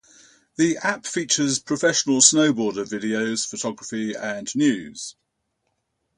The app features professional snowboarder videos, photography and news.